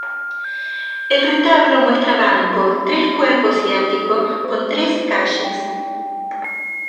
El retablo muestra banco, tres cuerpos y ático, con tres calles.